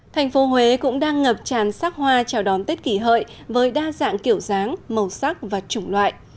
thành phố huế cũng đang ngập tràn sắc hoa chào đón tết kỷ hợi với đa dạng kiểu dáng màu sắc và chủng loại